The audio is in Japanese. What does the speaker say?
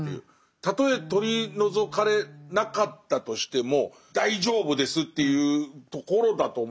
たとえ取り除かれなかったとしても大丈夫ですっていうところだと思うんですよ。